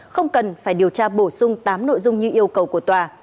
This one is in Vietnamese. không cần phải điều tra bổ sung tám nội dung như yêu cầu của tòa